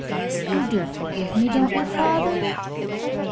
You do forgive me, don't you, father?"